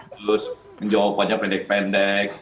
terus jawabannya pendek pendek